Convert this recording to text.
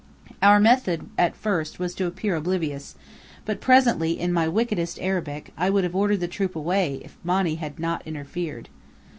Our method at first was to appear oblivious, but presently in my wickedest Arabic, I would have ordered the troop away if Monny had not interfered.